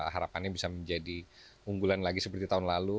harapannya bisa menjadi unggulan lagi seperti tahun lalu